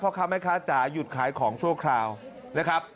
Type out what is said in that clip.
เพราะทำให้ค้าจ๋าหยุดขายของชั่วคราวนะครับ